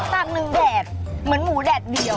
ตาก๑แดดเหมือนหมูแดดเดียว